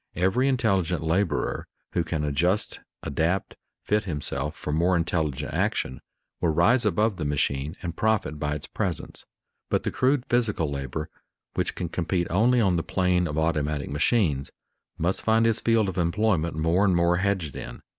Every intelligent laborer who can adjust, adapt, fit himself for more intelligent action will rise above the machine and profit by its presence. But the crude physical labor which can compete only on the plane of automatic machines, must find its field of employment more and more hedged in.